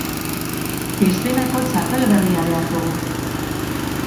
Piszinako txapel berria behar dugu!